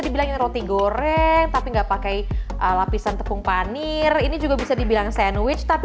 dibilangin roti goreng tapi enggak pakai lapisan tepung panir ini juga bisa dibilang sandwich tapi